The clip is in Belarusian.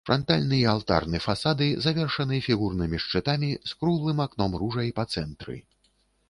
Франтальны і алтарны фасады завершаны фігурнымі шчытамі з круглым акном-ружай па цэнтры.